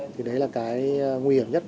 thì đấy là cái nguy hiểm nhất